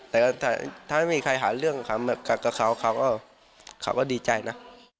แต่ถ้าไม่มีใครหาเรื่องกับเขาเขาก็ดีใจนะ